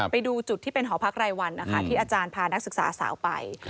ไปดูจุดที่เป็นหอพักรายวันนะคะที่อาจารย์พานักศึกษาสาวไป